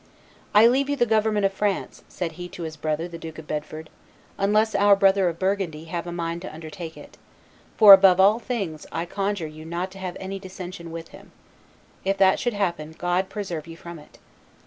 "I leave you the government of France," said he to his brother, the Duke of Bedford, "unless our brother of Burgundy have a mind to undertake it; for, above all things, I conjure you not to have any dissension with him. If that should happen God preserve you from it!